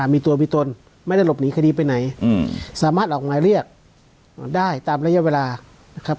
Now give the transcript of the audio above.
มีตัวมีตนไม่ได้หลบหนีคดีไปไหนสามารถออกหมายเรียกได้ตามระยะเวลานะครับ